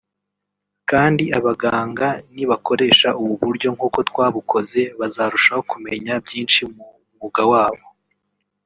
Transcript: kandi abaganga nibakoresha ubu buryo nkuko twabukoze bazarushaho kumenya byinshi mu mwuga wabo